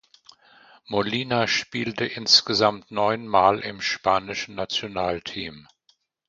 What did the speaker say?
Molina spielte insgesamt neun Mal im spanischen Nationalteam.